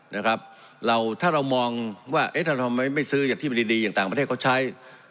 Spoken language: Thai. ถ้าเรามองว่าถ้าทำไมไม่ซื้ออย่างที่มันดีอย่างต่างประเทศเขาใช้